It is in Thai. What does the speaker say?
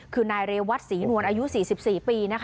คือนายเรวัตศรีนวลอายุ๔๔ปี